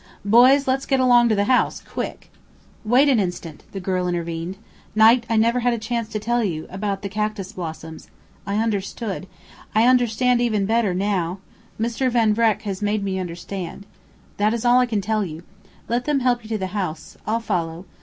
Boys, let's get along to the house quick." "Wait an instant!" the girl intervened. "Knight, I never had a chance to tell you about the cactus blossoms. I understood. I understand even better now. Mr. Van Vreck has made me understand. That is all I can tell you. Let them help you to the house. I'll follow.